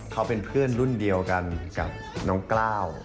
เขาเป็นเพื่อนรุ่นเดียวกันกับน้องกล้าว